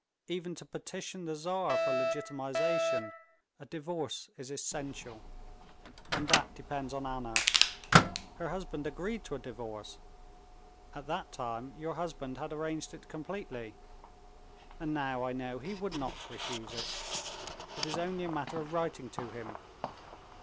Even to petition the Tsar for legitimization, a divorce is essential. And that depends on Anna. Her husband agreed to a divorce—at that time your husband had arranged it completely. And now, I know, he would not refuse it. It is only a matter of writing to him.